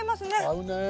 合うね。